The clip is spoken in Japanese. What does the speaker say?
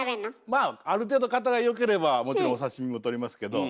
まあある程度型が良ければもちろんお刺身も取りますけどおお！